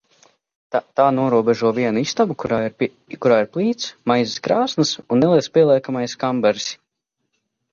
Tā norobežo vienu istabu, kurā ir plīts, maizes krāsns un neliels pieliekamais kambaris.